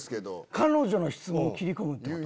彼女の質問切り込むってこと？